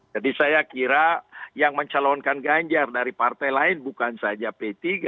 jadi saya kira yang mencalonkan ganjar dari partai lain bukan saja p tiga